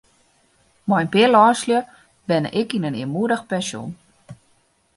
Mei in pear lânslju wenne ik yn in earmoedich pensjon.